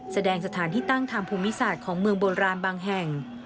แสดงสถานที่ตั้งทางภูมิศาสตร์ของเมืองโบราณบางแห่ง